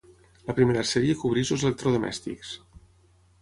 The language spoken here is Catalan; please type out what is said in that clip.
La primera sèrie cobreix els electrodomèstics.